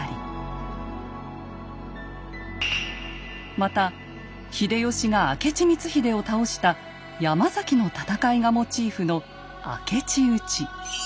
また秀吉が明智光秀を倒した「山崎の戦い」がモチーフの「明智討」。